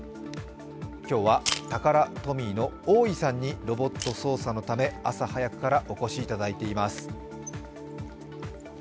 今日はタカラトミーのオオイさんにロボット捜査のため朝早くからお越しいただいています。